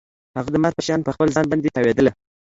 هغه د مار په شان په خپل ځان باندې تاوېدله.